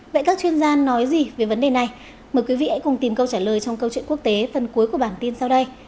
vậy các chuyên gia nói gì về vấn đề này mời quý vị hãy cùng tìm câu trả lời trong câu chuyện quốc tế phần cuối của bản tin sau đây